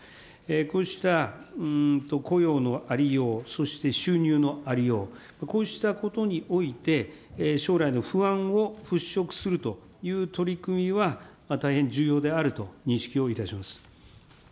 こうした雇用のありよう、そして収入のありよう、こうしたことにおいて、将来の不安を払拭するという取り組みは、大変重要であると認識をいたします。